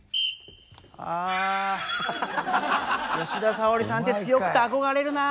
あ吉田沙保里さんって強くて憧れるな。